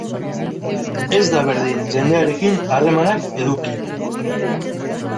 Ez da berdin jendearekin harremanak eduki.